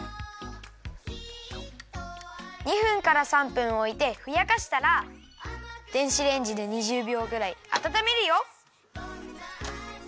２分から３分おいてふやかしたら電子レンジで２０びょうぐらいあたためるよ。